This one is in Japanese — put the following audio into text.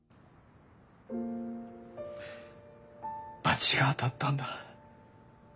罰が当たったんだ。